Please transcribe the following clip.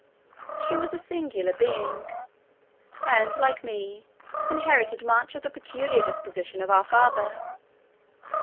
She was a singular being, and, like me, inherited much of the peculiar disposition of our father.